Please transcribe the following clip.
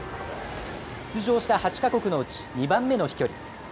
出場した８か国のうち、２番目の飛距離。